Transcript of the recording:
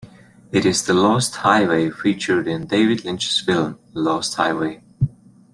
It is the "Lost Highway" featured in David Lynch's film Lost Highway.